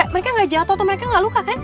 mereka gak jatuh atau mereka gak luka kan